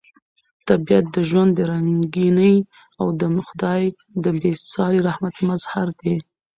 طبیعت د ژوند د رنګینۍ او د خدای د بې ساري رحمت مظهر دی.